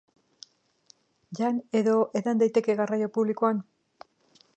Jan edo edan daiteke garraio publikoan?